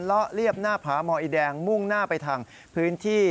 ละเรียบหน้าผาหมออีแดงมุ่งหน้าไปทางพื้นที่